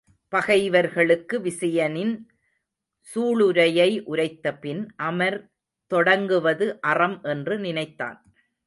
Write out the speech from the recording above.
பகைவர்களுக்கு விசயனின் சூளுரையை உரைத்தபின் அமர் தொடங்குவது அறம் என்று நினைத்தான்.